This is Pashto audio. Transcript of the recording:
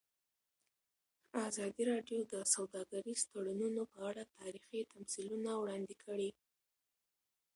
ازادي راډیو د سوداګریز تړونونه په اړه تاریخي تمثیلونه وړاندې کړي.